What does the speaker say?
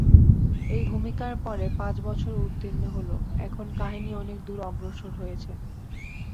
এই ভূমিকার পরে পাঁচ বছর উত্তীর্ণ হল, এখন কাহিনী অনেক দূর অগ্রসর হয়েছে।